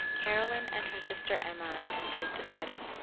Caroline and her sister Emma entered the study.